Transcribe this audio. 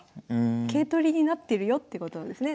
桂取りになってるよってことですね